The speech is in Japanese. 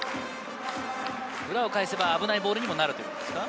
裏を返せば危ないボールにもなるということですか？